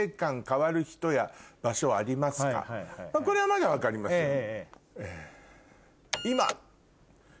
これはまだ分かりますよ。